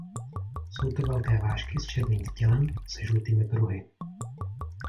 Jsou to velké vážky s černým tělem se žlutými pruhy.